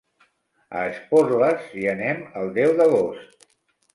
A Esporles hi anem el deu d'agost.